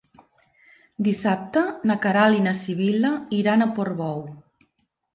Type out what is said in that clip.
Dissabte na Queralt i na Sibil·la iran a Portbou.